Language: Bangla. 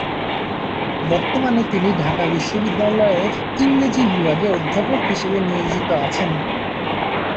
বর্তমানে তিনি ঢাকা বিশ্ববিদ্যালয়ের ইংরেজি বিভাগে অধ্যাপক হিসেবে নিয়োজিত আছেন।